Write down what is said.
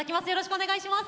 お願いいたします。